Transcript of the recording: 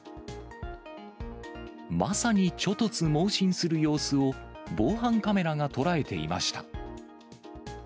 まさにちょ突猛進する様子を、防犯カメラが捉えていました。